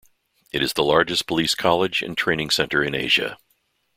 It is the largest police college and training center in Asia.